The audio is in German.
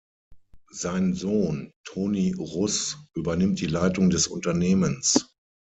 Sein Sohn, Toni Russ übernimmt die Leitung des Unternehmens.